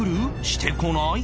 してこない？